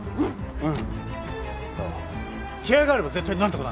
うん！